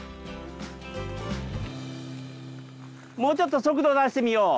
もうちょっと速度出してみよう。